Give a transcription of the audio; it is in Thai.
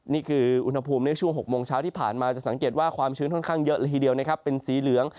นี่คืออุณหภูมิในช่วง๖โมงเช้าที่ผ่านมาจะสังเกตว่าความชื้นค่อนข้างเยอะละทีเดียวนะครับเป็นสีเหลือง